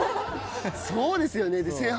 そうですよね。